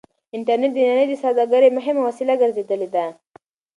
انټرنټ د نړۍ د سوداګرۍ مهمه وسيله ګرځېدلې ده.